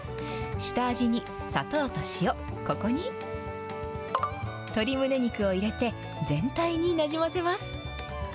下味に砂糖と塩、ここに、鶏むね肉を入れて、全体になじませます。